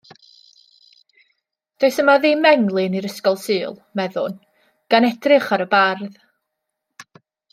Does yma ddim englyn i'r Ysgol Sul, meddwn, gan edrych ar y bardd.